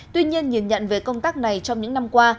tuy nhiên nhìn nhận về công tác này trong những năm qua